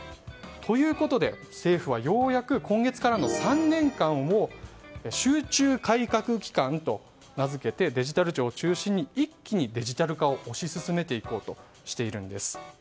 ということで政府はようやく今月からの３年間を集中改革期間と名付けてデジタル庁を中心に一気にデジタル化を推し進めていこうとしているんです。